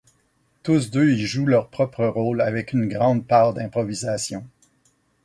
Tous deux y jouent leur propre rôle, avec une grande part d'improvisation.